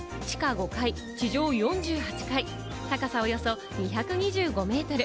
地下５階、地上４８階、高さおよそ２２５メートル。